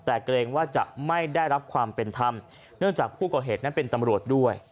แต่เกรงว่าจะไม่ได้รับความเป็นธรรมเนื่องจากผู้ก่อเหตุนั้นเป็นตำรวจด้วย